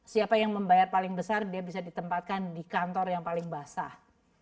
siapa yang membayar paling besar dia bisa ditempatkan di kantor yang paling basah